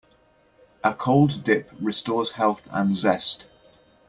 A cold dip restores health and zest.